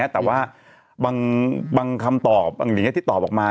แต่ว่าบางคำตอบอย่างนี้ที่ตอบออกมา